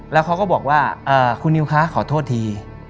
แล้วเขาก็บอกว่าคุณนิวคะขอโทษที